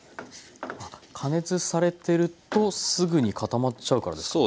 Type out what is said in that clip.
加熱されてるとすぐに固まっちゃうからですか？